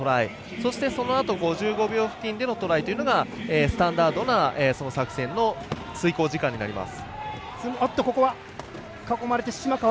そして、そのあと５５秒付近でのトライというのがスタンダードな作戦の遂行時間になります。